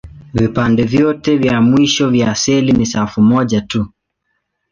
Vipande vyao vya mwisho vya seli ni safu moja tu.